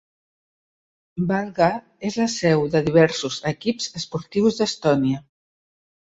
Valga és la seu de diversos equips esportius d'Estònia.